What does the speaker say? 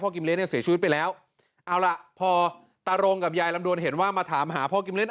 กิมเลี้ยเนี่ยเสียชีวิตไปแล้วเอาล่ะพอตารงกับยายลำดวนเห็นว่ามาถามหาพ่อกิมเลี้